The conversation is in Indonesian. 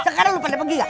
sekarang lu pada pergi gak